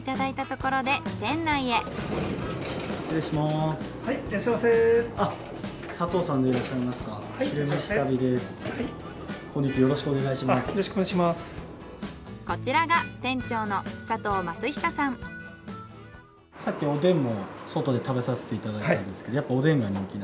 こちらがさっきおでんも外で食べさせていただいたんですけど。